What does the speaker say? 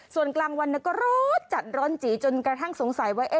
ส่วนกลางวันนั้นก็ร้อนจัดร้อนจีจนกระทั่งสงสัยว่า